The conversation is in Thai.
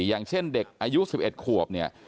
อย่างเช่นเด็กอายุ๑๑ขวบเนี่ย